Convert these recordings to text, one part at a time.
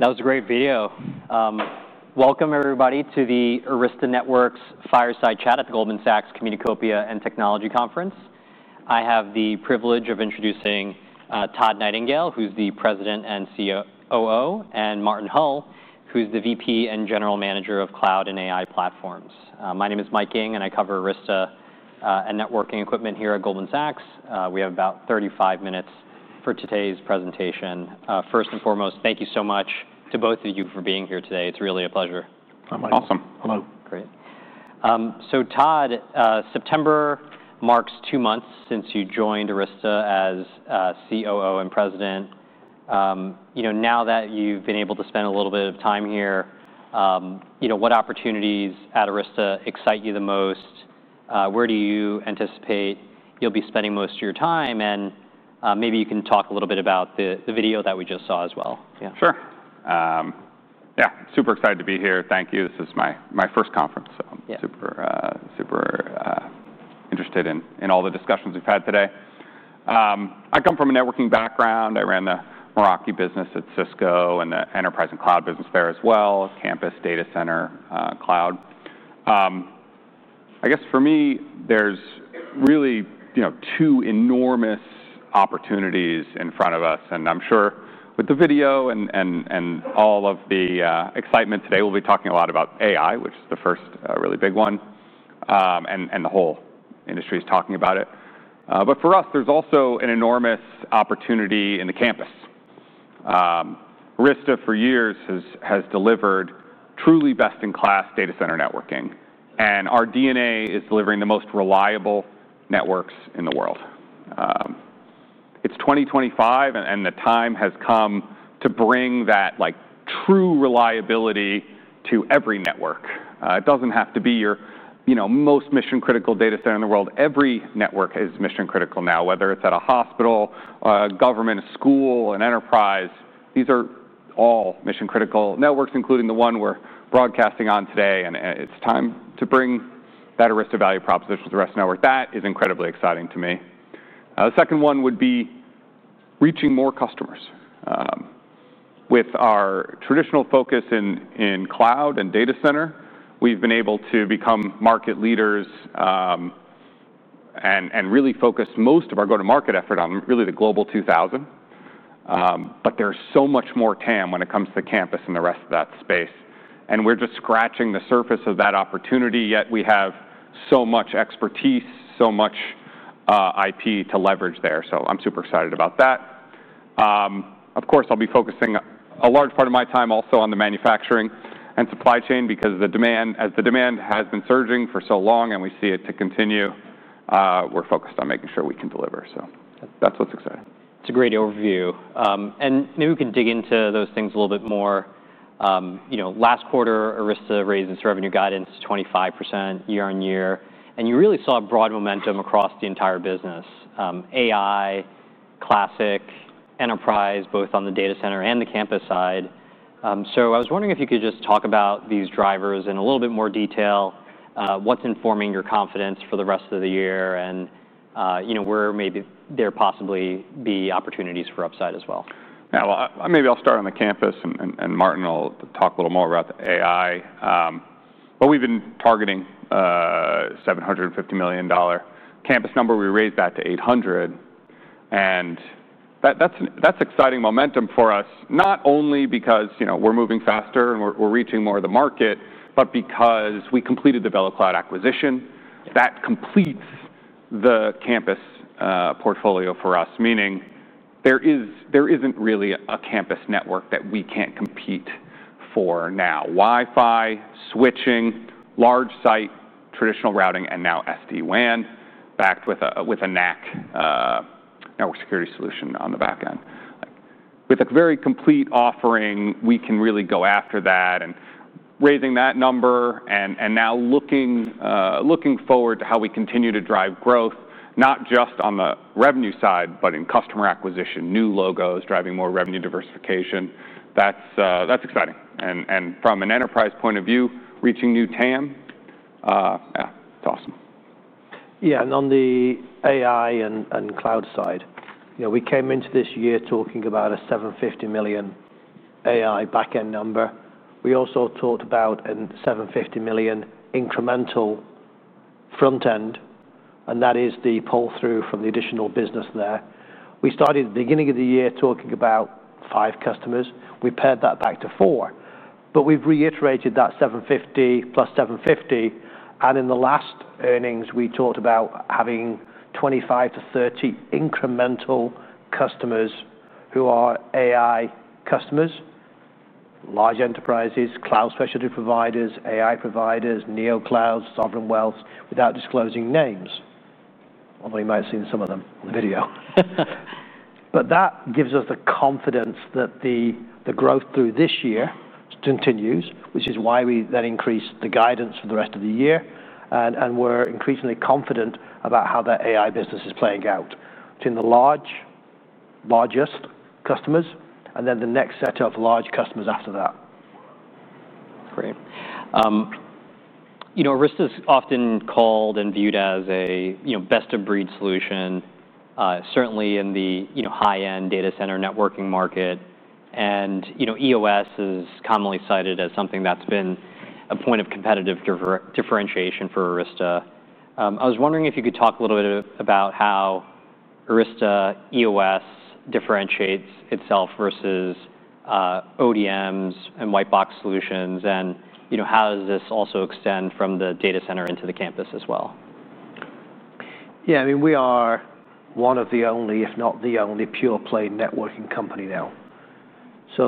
That was a great video. Welcome everybody, to the Arista Networks Fireside Chat at the Goldman Sachs Communicopia and Technology Conference. I have the privilege of introducing Todd Nightingale, who's the President and COO, and Martin Hull, who's the VP and General Manager of Cloud and AI Platforms. My name is Mike Ying, and I cover Arista and networking equipment here at Goldman Sachs. We have about 35 minutes for today's presentation. First and foremost, thank you so much to both of you for being here today. It's really a pleasure. Hi, Mike. Awesome. Hello. Great. Todd, September marks two months since you joined Arista Networks as COO and President. Now that you've been able to spend a little bit of time here, what opportunities at Arista Networks excite you the most? Where do you anticipate you'll be spending most of your time? Maybe you can talk a little bit about the video that we just saw as well. Yeah, sure. Yeah, super excited to be here. Thank you. This is my first conference, so I'm super, super interested in all the discussions we've had today. I come from a networking background. I ran the Meraki business at Cisco and the Enterprise and Cloud Business there as well, Campus, Data Center, Cloud. I guess for me, there's really, you know, two enormous opportunities in front of us. I'm sure with the video and all of the excitement today, we'll be talking a lot about AI, which is the first really big one, and the whole industry is talking about it. For us, there's also an enormous opportunity in the campus. Arista Networks, for years, has delivered truly best-in-class data center networking. Our DNA is delivering the most reliable networks in the world. It's 2025, and the time has come to bring that, like, true reliability to every network. It doesn't have to be your, you know most mission-critical data center in the world. Every network is mission-critical now, whether it's at a hospital, a government, a school, an enterprise. These are all mission-critical networks, including the one we're broadcasting on today. It's time to bring that Arista value proposition to the rest of the network. That is incredibly exciting to me. The second one would be reaching more customers. With our traditional focus in cloud and data center, we've been able to become market leaders and really focus most of our go-to-market effort on really the Global 2000. There's so much more to come when it comes to campus and the rest of that space. We're just scratching the surface of that opportunity, yet we have so much expertise, so much IP to leverage there. I'm super excited about that. Of course, I'll be focusing a large part of my time also on the manufacturing and supply chain because the demand, as the demand has been surging for so long and we see it to continue, we're focused on making sure we can deliver. That's what's exciting. That's a great overview. Maybe we can dig into those things a little bit more. Last quarter, Arista Networks raised its revenue guidance to 25% year on year. You really saw broad momentum across the entire business: AI, classic, enterprise, both on the data center and the campus side. I was wondering if you could just talk about these drivers in a little bit more detail. What's informing your confidence for the rest of the year? Where maybe there possibly be opportunities for upside as well? Maybe I'll start on the campus, and Martin will talk a little more about the AI. We've been targeting a $750 million. Campus number we raised that to $800 million. That's exciting momentum for us, not only because we're moving faster and we're reaching more of the market, but because we completed the VeloCloud acquisition. That completes the campus portfolio for us, meaning there isn't really a campus network that we can't compete for now. Wi-Fi, switching, large site, traditional routing, and now SD-WAN backed with a NAC, Network Security Solution, on the back end. With a very complete offering, we can really go after that. Raising that number and now looking forward to how we continue to drive growth, not just on the revenue side, but in customer acquisition, new logos, driving more revenue diversification, that's exciting. From an enterprise point of view, reaching new TAM, yeah, it's awesome. Yeah, and on the AI and cloud side, you know, we came into this year talking about a $750 million AI backend number. We also talked about a $750 million incremental frontend, and that is the pull-through from the additional business there. We started at the beginning of the year talking about five customers. We paired that back to four. We've reiterated that $750+$750. In the last earnings, we talked about having 25-30 incremental customers who are AI customers, large enterprises, cloud specialty providers, AI providers, NeoCloud, Sovereign Wealth, without disclosing names, although you might have seen some of them on the video. That gives us the confidence that the growth through this year continues, which is why we then increased the guidance for the rest of the year. We're increasingly confident about how that AI business is playing out between the largest customers and then the next set of large customers after that. Great. You know Arista is often called and viewed as a best-of-breed solution, certainly in the high-end data center networking market. EOS is commonly cited as something that's been a point of competitive differentiation for Arista. I was wondering if you could talk a little bit about how Arista EOS differentiates itself versus ODMs and white box solutions, and how does this also extend from the data center into the campus as well? Yeah, I mean, we are one of the only, if not the only, pure-play networking company now. The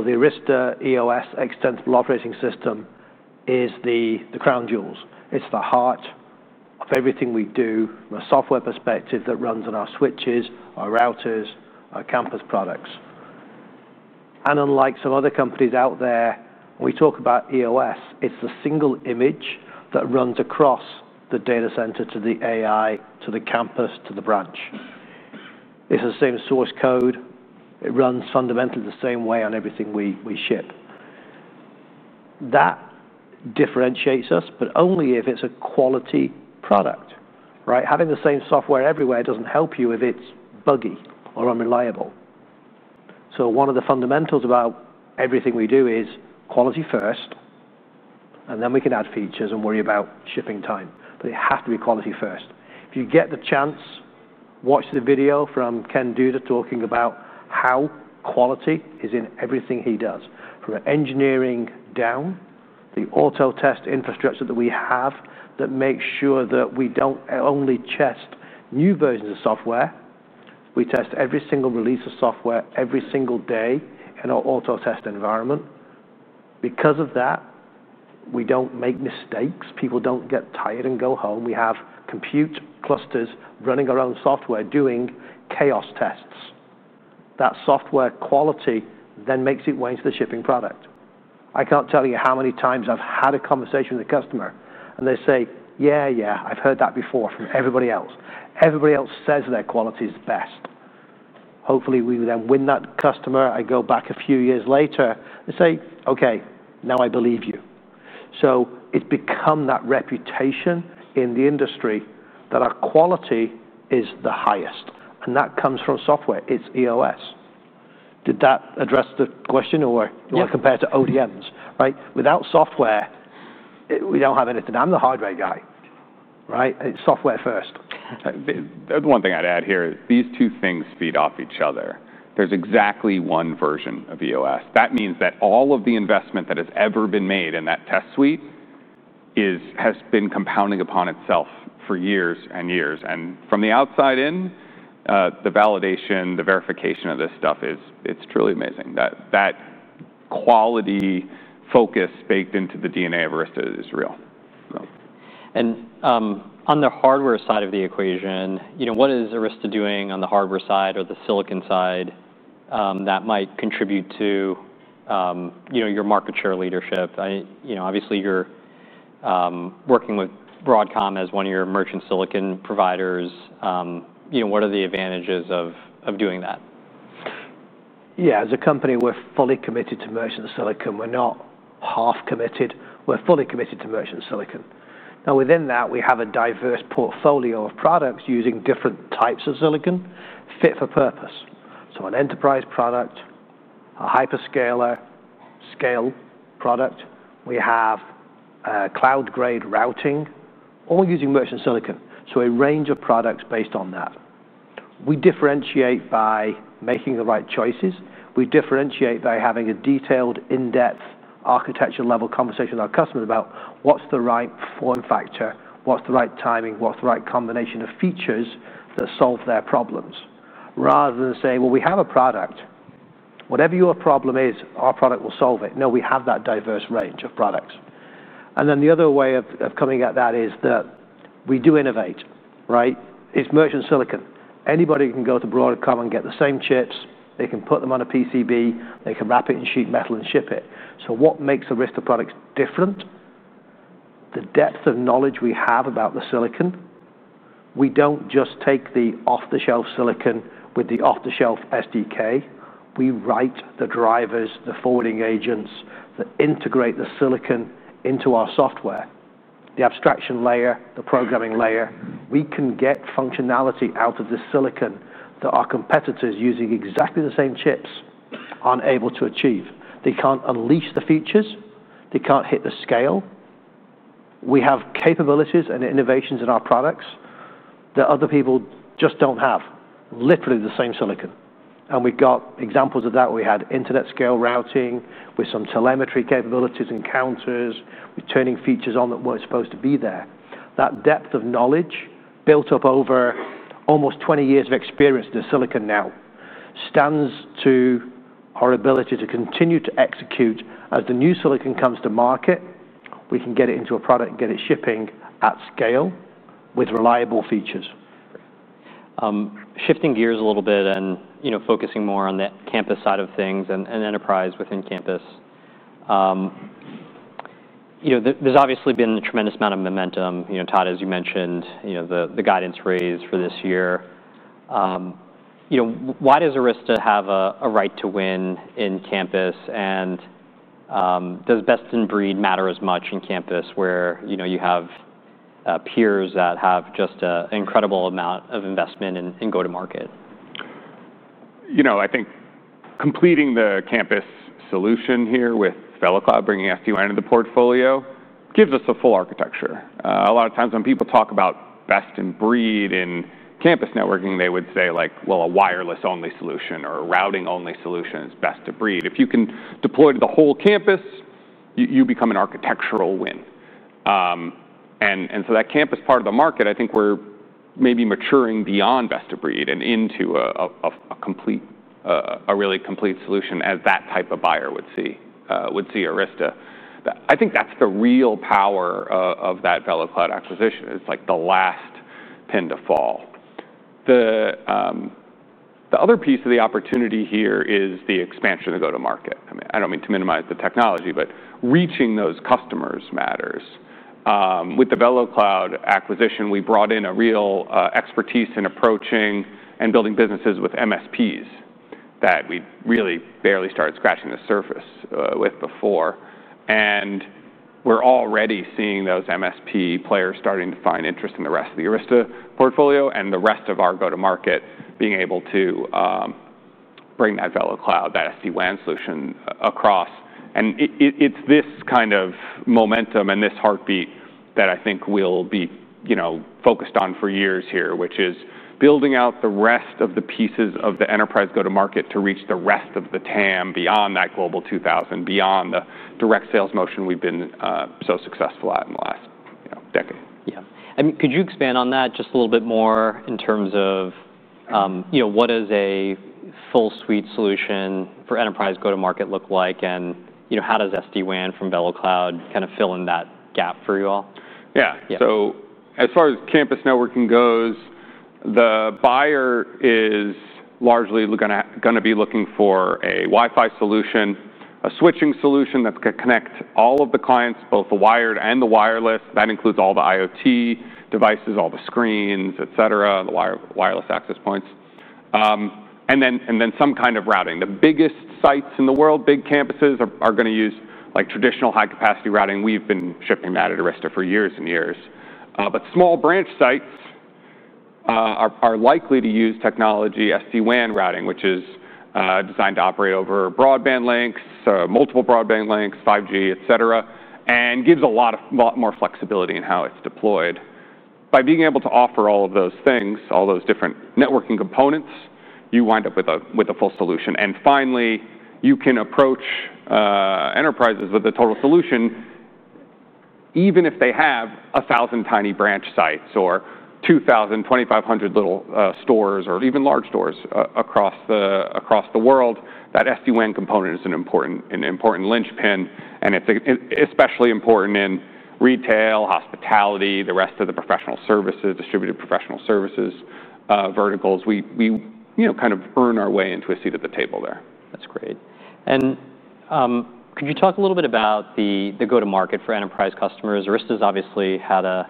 Arista EOS Extensible Operating System is the crown jewels. It's the heart of everything we do from a software perspective that runs on our switches, our routers, our campus products. Unlike some other companies out there, when we talk about EOS, it's the single image that runs across the data center to the AI, to the campus, to the branch. It's the same source code. It runs fundamentally the same way on everything we ship. That differentiates us, but only if it's a quality product. Having the same software everywhere doesn't help you if it's buggy or unreliable. One of the fundamentals about everything we do is quality first, and then we can add features and worry about shipping time. It has to be quality first. If you get the chance, watch the video from Kenneth Duda talking about how quality is in everything he does, from engineering down, the auto test infrastructure that we have that makes sure that we don't only test new versions of software. We test every single release of software every single day in our auto test environment. Because of that, we don't make mistakes. People don't get tired and go home. We have compute clusters running our own software doing chaos tests. That software quality then makes its way into the shipping product. I can't tell you how many times I've had a conversation with a customer and they say, "Yeah, yeah, I've heard that before from everybody else. Everybody else says their quality is the best." Hopefully, we then win that customer. I go back a few years later and say, "OK, now I believe you." It's become that reputation in the industry that our quality is the highest. That comes from software. It's EOS. Did that address the question or compared to ODMs? Yeah. Without software, we don't have anything. I'm the hardware guy, right? It's software first. The other one thing I'd add here is these two things feed off each other. There's exactly one version of EOS. That means that all of the investment that has ever been made in that test suite has been compounding upon itself for years and years. From the outside in, the validation, the verification of this stuff, it's truly amazing. That quality focus baked into the DNA of Arista Networks is real. On the hardware side of the equation, you know, what is Arista Networks doing on the hardware side or the silicon side that might contribute to your market share leadership? You're working with Broadcom as one of your merchant silicon providers. What are the advantages of doing that? Yeah, as a company, we're fully committed to merchant silicon. We're not half committed. We're fully committed to merchant silicon. Within that, we have a diverse portfolio of products using different types of silicon fit for purpose. An enterprise product, a hyperscaler scale product, we have cloud-grade routing, all using merchant silicon. A range of products based on that. We differentiate by making the right choices. We differentiate by having a detailed, in-depth architecture-level conversation with our customers about what's the right form factor, what's the right timing, what's the right combination of features that solve their problems, rather than saying, "We have a product. Whatever your problem is, our product will solve it." We have that diverse range of products. The other way of coming at that is that we do innovate. It's merchant silicon. Anybody can go to Broadcom and get the same chips. They can put them on a PCB. They can wrap it in sheet metal and ship it. What makes Arista Networks products different is the depth of knowledge we have about the silicon. We don't just take the off-the-shelf silicon with the off-the-shelf SDK. We write the drivers, the forwarding agents that integrate the silicon into our software, the abstraction layer, the programming layer. We can get functionality out of the silicon that our competitors using exactly the same chips aren't able to achieve. They can't unleash the features. They can't hit the scale. We have capabilities and innovations in our products that other people just don't have, literally the same silicon. We've got examples of that. We had internet scale routing with some telemetry capabilities and counters returning features on that weren't supposed to be there. That depth of knowledge built up over almost 20 years of experience in the silicon now stands to our ability to continue to execute as the new silicon comes to market. We can get it into a product and get it shipping at scale with reliable features. Shifting gears a little bit and focusing more on the campus side of things and enterprise within campus, there's obviously been a tremendous amount of momentum. Todd, as you mentioned, the guidance raised for this year. Why does Arista Networks have a right to win in campus? Does best-in-breed matter as much in campus where you have peers that have just an incredible amount of investment in go-to-market? I think completing the campus solution here with VeloCloud bringing SD-WAN into the portfolio gives us a full architecture. A lot of times when people talk about best-in-breed in campus networking, they would say, like, a wireless-only solution or a routing-only solution is best-in-breed. If you can deploy to the whole campus, you become an architectural win. That campus part of the market, I think we're maybe maturing beyond best-in-breed and into a complete, a really complete solution as that type of buyer would see Arista. I think that's the real power of that VeloCloud acquisition. It's like the last pin to fall. The other piece of the opportunity here is the expansion of the go-to-market. I don't mean to minimize the technology, but reaching those customers matters. With the VeloCloud acquisition, we brought in a real expertise in approaching and building businesses with managed service providers that we really barely started scratching the surface with before. We're already seeing those managed service provider players starting to find interest in the rest of the Arista portfolio and the rest of our go-to-market being able to bring that VeloCloud, that SD-WAN solution across. It's this kind of momentum and this heartbeat that I think we'll be focused on for years here, which is building out the rest of the pieces of the enterprise go-to-market to reach the rest of the TAM beyond that Global 2000, beyond the direct sales motion we've been so successful at in the last decade. Could you expand on that just a little bit more in terms of what does a full suite solution for enterprise go-to-market look like? How does SD-WAN from VeloCloud kind of fill in that gap for you all? Yeah. As far as campus networking goes, the buyer is largely going to be looking for a Wi-Fi solution, a switching solution that's going to connect all of the clients, both the wired and the wireless. That includes all the IoT devices, all the screens, et cetera, the wireless access points, and then some kind of routing. The biggest sites in the world, big campuses are going to use traditional high-capacity routing. We've been shipping that at Arista Networks for years and years. Small branch sites are likely to use technology, SD-WAN routing, which is designed to operate over broadband links, multiple broadband links, 5G, et cetera, and gives a lot more flexibility in how it's deployed. By being able to offer all of those things, all those different networking components, you wind up with a full solution. Finally, you can approach enterprises with a total solution, even if they have 1,000 tiny branch sites or 2,000, 2,500 little stores or even large stores across the world. That SD-WAN component is an important linchpin, and it's especially important in retail, hospitality, the rest of the professional services, distributed professional services verticals. We kind of earn our way into a seat at the table there. That's great. Could you talk a little bit about the go-to-market for enterprise customers? Arista's obviously had a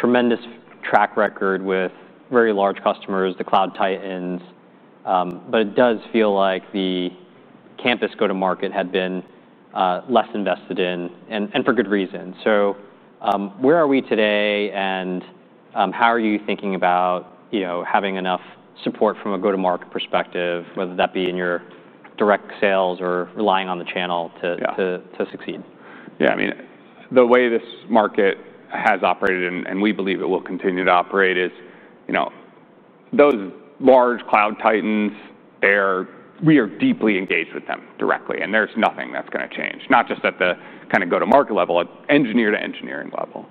tremendous track record with very large customers, the cloud titans. It does feel like the campus go-to-market had been less invested in, and for good reason. Where are we today? How are you thinking about having enough support from a go-to-market perspective, whether that be in your direct sales or relying on the channel to succeed? Yeah, I mean, the way this market has operated, and we believe it will continue to operate is, you know, those large cloud titans, we are deeply engaged with them directly. There's nothing that's going to change, not just at the kind of go-to-market level, at engineer-to-engineering level.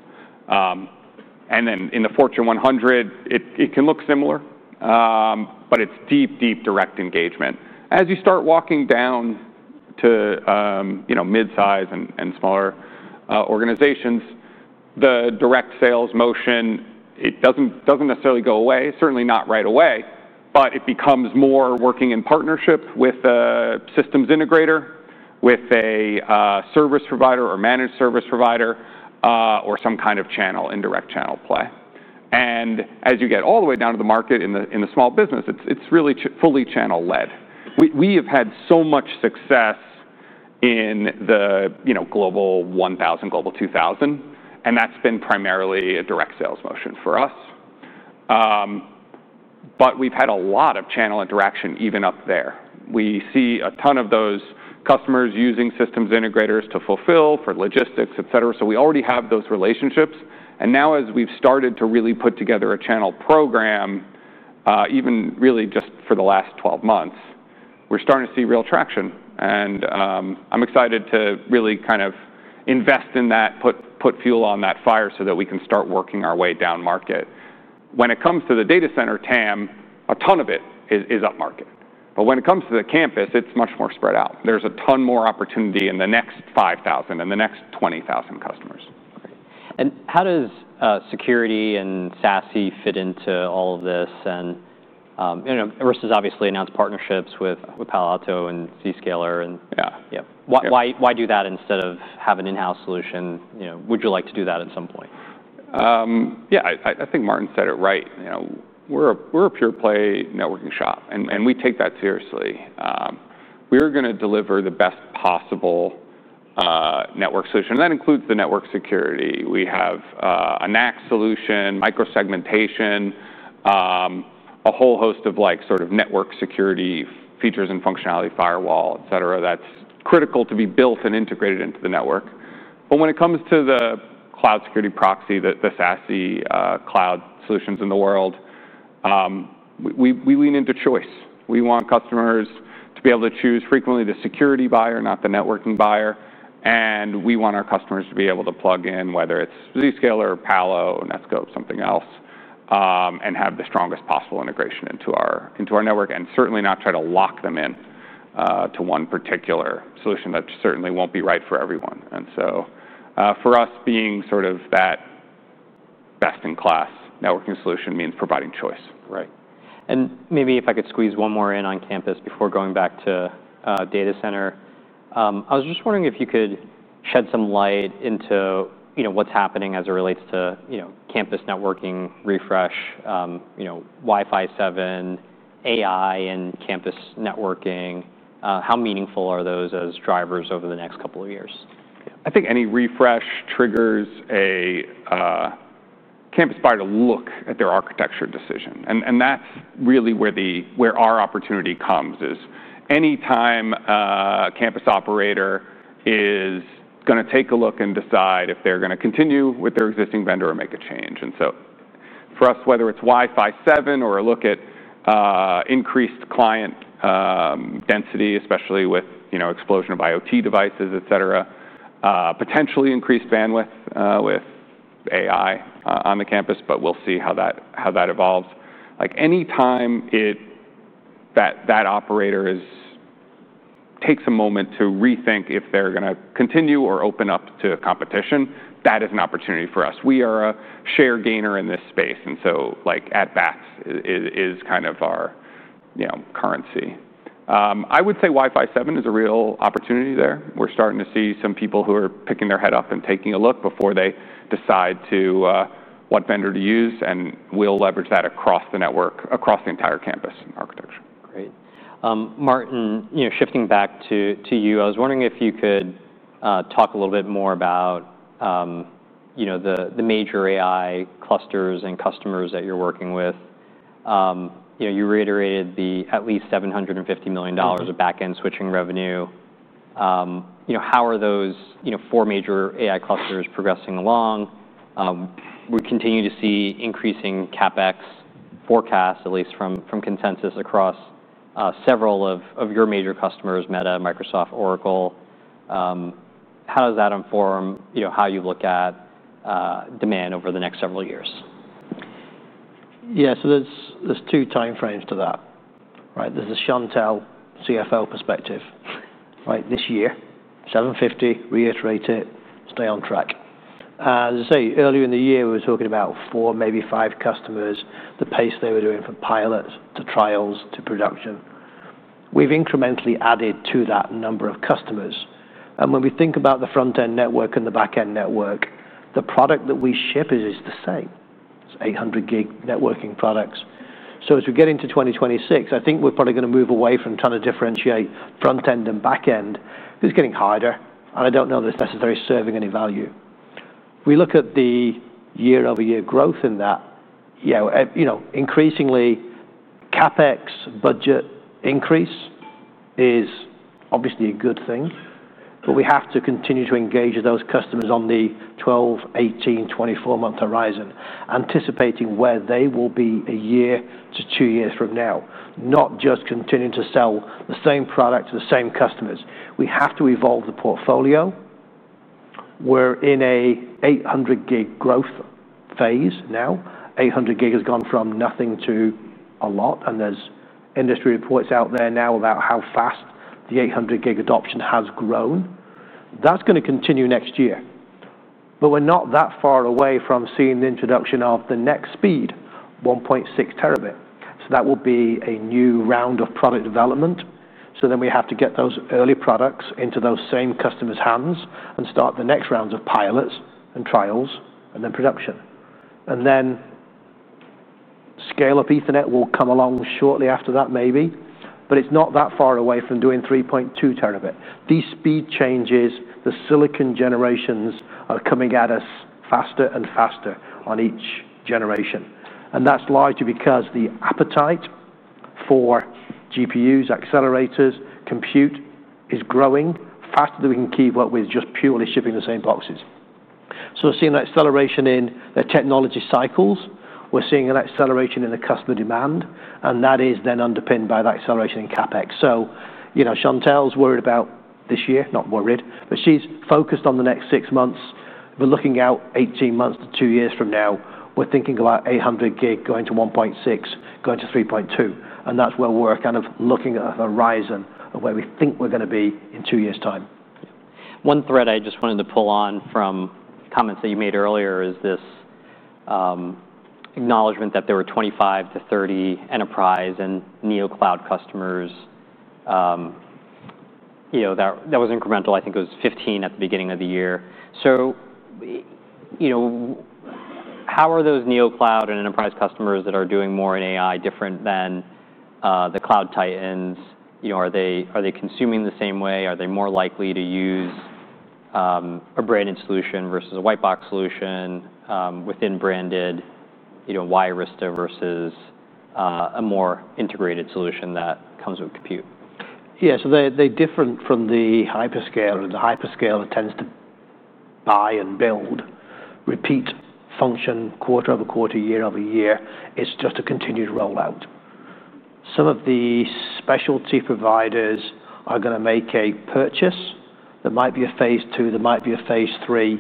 In the Fortune 100 it can look similar, but it's deep, deep direct engagement. As you start walking down to, you know, mid-size and smaller organizations, the direct sales motion doesn't necessarily go away, certainly not right away, but it becomes more working in partnership with a systems integrator, with a service provider or managed service provider, or some kind of channel, indirect channel play. As you get all the way down to the market in the small business, it's really fully channel led. We have had so much success in the, you know, Global 1000, Global 2000, and that's been primarily a direct sales motion for us. We've had a lot of channel interaction even up there. We see a ton of those customers using systems integrators to fulfill for logistics, et cetera. We already have those relationships. Now, as we've started to really put together a channel program, even really just for the last 12 months, we're starting to see real traction. I'm excited to really kind of invest in that, put fuel on that fire so that we can start working our way down market. When it comes to the data center TAM, a ton of it is up market. When it comes to the campus, it's much more spread out. There's a ton more opportunity in the next 5,000 and the next 20,000 customers. Great. How does security and SASE fit into all of this? Arista's obviously announced partnerships with Palo Alto Networks and Zscaler. Why do that instead of have an in-house solution? Would you like to do that at some point? Yeah, I think Martin said it right. You know, we're a pure-play networking shop, and we take that seriously. We are going to deliver the best possible network solution. That includes the network security. We have a NAC solution, micro-segmentation, a whole host of sort of network security features and functionality, firewall, et cetera. That's critical to be built and integrated into the network. When it comes to the cloud security proxy, the SASE cloud solutions in the world, we lean into choice. We want customers to be able to choose frequently the security buyer, not the networking buyer. We want our customers to be able to plug in whether it's Zscaler or Palo Alto Networks or Netskope or something else and have the strongest possible integration into our network and certainly not try to lock them in to one particular solution that certainly won't be right for everyone. For us, being sort of that best-in-class networking solution means providing choice. Right. Maybe if I could squeeze one more in on campus before going back to data center, I was just wondering if you could shed some light into what's happening as it relates to campus networking refresh, you know, Wi-Fi 7, AI in campus networking. How meaningful are those as drivers over the next couple of years? I think any refresh triggers a campus buyer to look at their architecture decision. That's really where our opportunity comes, any time a campus operator is going to take a look and decide if they're going to continue with their existing vendor or make a change. For us, whether it's Wi-Fi 7 or a look at increased client density, especially with the explosion of IoT devices, potentially increased bandwidth with AI on the campus, we'll see how that evolves. Any time that operator takes a moment to rethink if they're going to continue or open up to competition, that is an opportunity for us. We are a share gainer in this space, so at-bats is kind of our currency. I would say Wi-Fi 7 is a real opportunity there. We're starting to see some people who are picking their head up and taking a look before they decide what vendor to use. We'll leverage that across the network, across the entire campus architecture. Great. Martin, shifting back to you, I was wondering if you could talk a little bit more about the major AI clusters and customers that you're working with. You reiterated the at least $750 million of backend switching revenue. How are those four major AI clusters progressing along? We continue to see increasing CapEx forecasts, at least from consensus across several of your major customers, Meta, Microsoft, Oracle. How does that inform how you look at demand over the next several years? Yeah, so there's two time frames to that, right? There's a Chantelle CFO perspective, right? This year, $750 million, reiterate it, stay on track. As I say, earlier in the year, we were talking about four, maybe five customers, the pace they were doing from pilot to trials to production. We've incrementally added to that number of customers. When we think about the front-end network and the back-end network, the product that we ship is the same. It's 800-gig networking products. As we get into 2026, I think we're probably going to move away from trying to differentiate front-end and back-end. It's getting harder, and I don't know that it's necessarily serving any value. We look at the year-over-year growth in that. You know, increasingly, CapEx budget increase is obviously a good thing. We have to continue to engage with those customers on the 12, 18, 24-month horizon, anticipating where they will be a year to two years from now, not just continuing to sell the same product to the same customers. We have to evolve the portfolio. We're in an 800-gig growth phase now. 800 gig has gone from nothing to a lot, and there's industry reports out there now about how fast the 800-gig adoption has grown. That's going to continue next year. We're not that far away from seeing the introduction of the next speed, 1.6T. That will be a new round of product development. We have to get those early products into those same customers' hands and start the next rounds of pilots and trials and then production. Scale-up Ethernet will come along shortly after that, maybe. It's not that far away from doing 3.2T. These speed changes, the silicon generations are coming at us faster and faster on each generation. That's largely because the appetite for GPUs, accelerators, compute is growing faster than we can keep up with just purely shipping the same boxes. We're seeing an acceleration in the technology cycles. We're seeing an acceleration in the customer demand, and that is then underpinned by the acceleration in CapEx. Chantelle's worried about this year, not worried, but she's focused on the next six months. We're looking out 18 months to two years from now. We're thinking about 800 gig going to 1.6T, going to 3.2T, and that's where we're kind of looking at the horizon of where we think we're going to be in two years' time. One thread I just wanted to pull on from comments that you made earlier is this acknowledgment that there were 25 to 30 enterprise and NeoCloud customers. That was incremental. I think it was 15 at the beginning of the year. How are those NeoCloud and enterprise customers that are doing more in AI different than the cloud titans? Are they consuming the same way? Are they more likely to use a branded solution versus a white box solution within branded? Why Arista versus a more integrated solution that comes with compute? Yeah, so they differ from the hyperscaler. The hyperscaler tends to buy and build, repeat function quarter over quarter, year over year. It's just a continued rollout. Some of the specialty providers are going to make a purchase. There might be a phase two. There might be a phase three.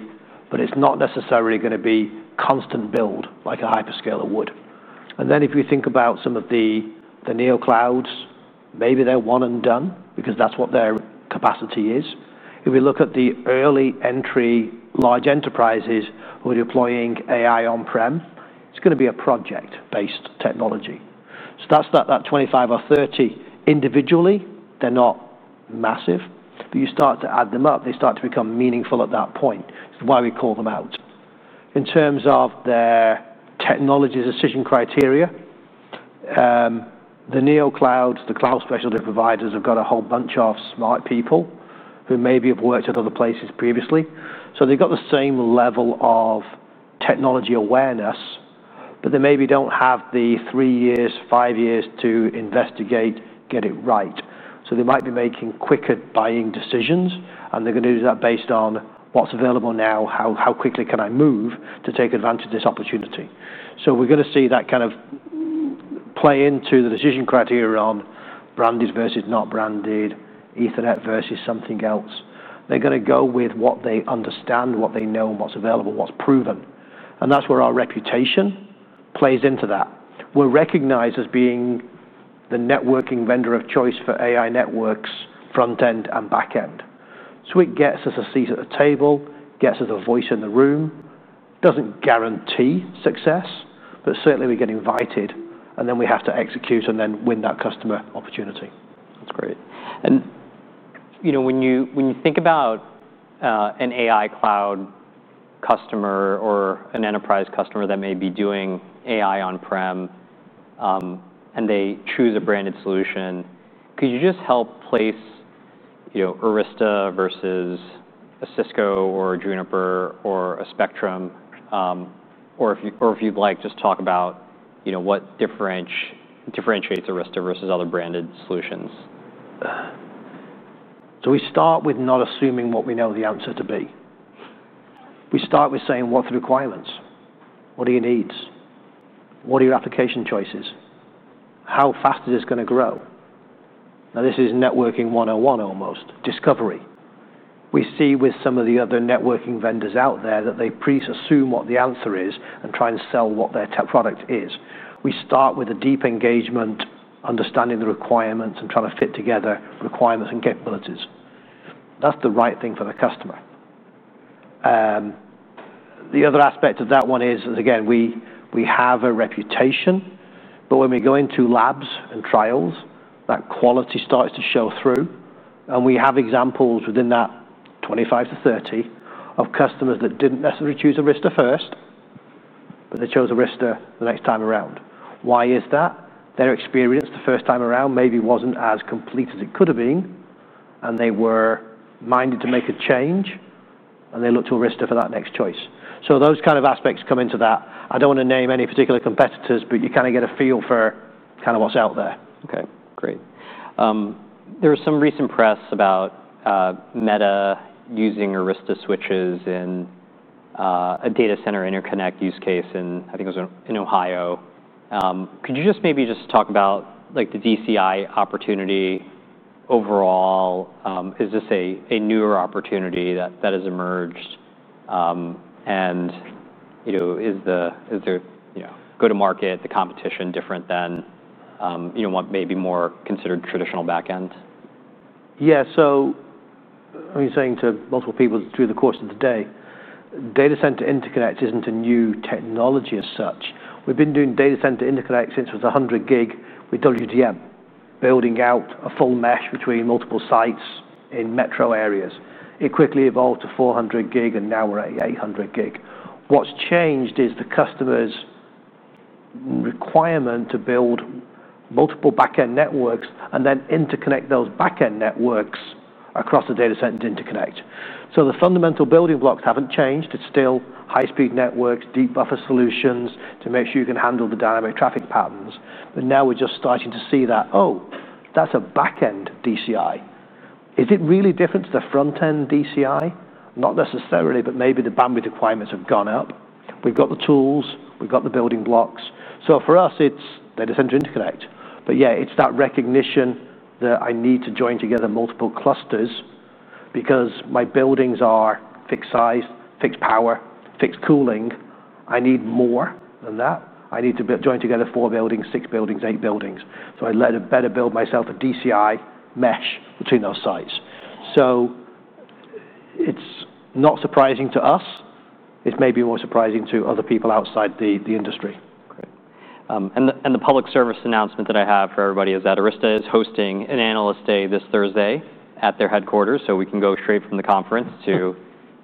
It's not necessarily going to be constant build like a hyperscaler would. If we think about some of the NeoClouds, maybe they're one and done because that's what their capacity is. If we look at the early entry large enterprises who are deploying AI on-prem, it's going to be a project-based technology. That's that 25 or 30 individually. They're not massive, but you start to add them up. They start to become meaningful at that point. It's why we call them out. In terms of their technology decision criteria, the NeoClouds, the cloud specialty providers have got a whole bunch of smart people who maybe have worked at other places previously. They've got the same level of technology awareness, but they maybe don't have the three years, five years to investigate, get it right. They might be making quicker buying decisions. They're going to do that based on what's available now, how quickly can I move to take advantage of this opportunity. We're going to see that kind of play into the decision criteria on branded versus not branded, Ethernet versus something else. They're going to go with what they understand, what they know, and what's available, what's proven. That's where our reputation plays into that. We're recognized as being the networking vendor of choice for AI networks, front-end and back-end. It gets us a seat at the table, gets us a voice in the room, doesn't guarantee success, but certainly we get invited. We have to execute and then win that customer opportunity. That's great. When you think about an AI cloud customer or an enterprise customer that may be doing AI on-prem and they choose a branded solution, could you just help place Arista versus a Cisco or a Juniper or a Spectrum? If you'd like, just talk about what differentiates Arista versus other branded solutions. We start with not assuming what we know the answer to be. We start with saying, what are the requirements? What are your needs? What are your application choices? How fast is this going to grow? This is networking 101 almost, discovery. We see with some of the other networking vendors out there that they pre-assume what the answer is and try and sell what their tech product is. We start with a deep engagement, understanding the requirements and trying to fit together requirements and capabilities. That's the right thing for the customer. The other aspect of that one is, again, we have a reputation. When we go into labs and trials, that quality starts to show through. We have examples within that 25 to 30 of customers that didn't necessarily choose Arista Networks first, but they chose Arista Networks the next time around. Why is that? Their experience the first time around maybe wasn't as complete as it could have been. They were minded to make a change. They looked to Arista Networks for that next choice. Those kind of aspects come into that. I don't want to name any particular competitors, but you kind of get a feel for kind of what's out there. OK, great. There was some recent press about Meta using Arista switches in a data center interconnect use case. I think it was in Ohio. Could you just maybe talk about the DCI opportunity overall? Is this a newer opportunity that has emerged? Is the go-to-market, the competition different than what may be more considered traditional backend? Yeah, so I'm saying to multiple people through the course of the day, data center interconnect isn't a new technology as such. We've been doing data center interconnect since it was 100 gig with WDM, building out a full mesh between multiple sites in metro areas. It quickly evolved to 400 gig, and now we're at 800 gig. What's changed is the customer's requirement to build multiple backend networks and then interconnect those backend networks across the data center and interconnect. The fundamental building blocks haven't changed. It's still high-speed networks, deep buffer solutions to make sure you can handle the dynamic traffic patterns. Now we're just starting to see that, oh, that's a backend DCI. Is it really different to the frontend DCI? Not necessarily, but maybe the bandwidth requirements have gone up. We've got the tools. We've got the building blocks. For us, it's data center interconnect. It's that recognition that I need to join together multiple clusters because my buildings are fixed size, fixed power, fixed cooling. I need more than that. I need to join together four buildings, six buildings, eight buildings. I better build myself a DCI mesh between those sites. It's not surprising to us. It's maybe more surprising to other people outside the industry. The public service announcement that I have for everybody is that Arista Networks is hosting an analyst day this Thursday at their headquarters. We can go straight from the conference to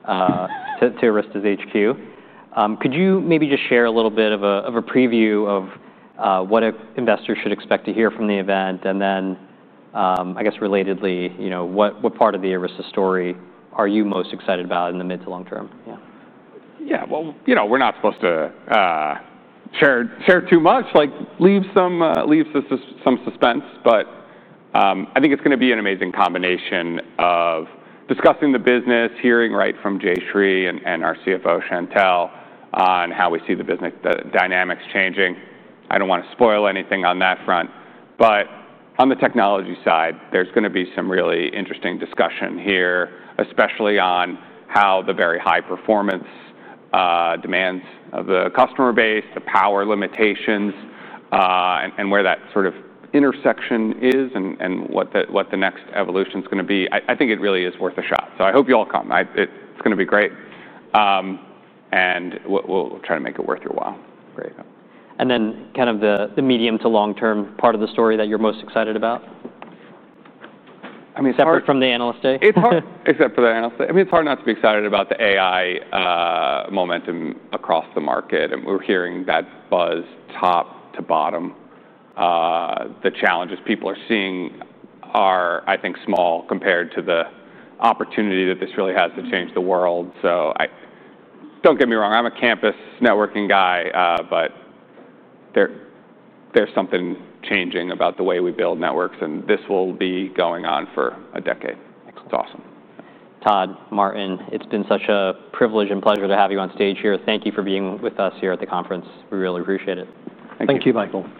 Arista's HQ. Could you maybe just share a little bit of a preview of what investors should expect to hear from the event? I guess relatedly, what part of the Arista story are you most excited about in the mid to long term? Yeah, you know, we're not supposed to share too much, like leave some suspense. I think it's going to be an amazing combination of discussing the business, hearing right from Jayshree and our CFO, Chantelle, on how we see the business dynamics changing. I don't want to spoil anything on that front. On the technology side, there's going to be some really interesting discussion here, especially on how the very high performance demands of the customer base, the power limitations, and where that sort of intersection is and what the next evolution is going to be. I think it really is worth a shot. I hope you all come. It's going to be great. We'll try to make it worth your while. Great. Kind of the medium to long term part of the story that you're most excited about? I mean, it's hard. Separate from the analyst day? Except for the analyst day, it's hard not to be excited about the AI momentum across the market. We're hearing that buzz top to bottom. The challenges people are seeing are, I think, small compared to the opportunity that this really has to change the world. Don't get me wrong, I'm a campus networking guy, but there's something changing about the way we build networks. This will be going on for a decade. It's awesome. Todd, Martin, it's been such a privilege and pleasure to have you on stage here. Thank you for being with us here at the conference. We really appreciate it. Thank you, Mike.